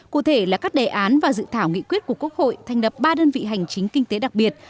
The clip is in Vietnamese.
cụ thể là các đề án và dự thảo nghị quyết của quốc hội thành đập ba đơn vị hành chính kinh tế đặc biệt